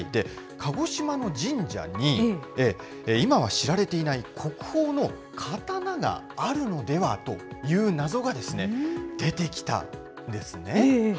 鹿児島の神社に、今は知られていない国宝の刀があるのではという謎が出てきたんですね。